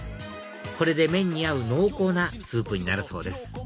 これで麺に合う濃厚なスープになるそうです